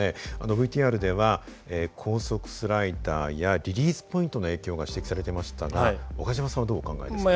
ＶＴＲでは高速スライダーやリリースポイントの影響が指摘されていましたが岡島さんはどうお考えですか？